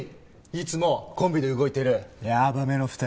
いつもコンビで動いてるヤバめの２人。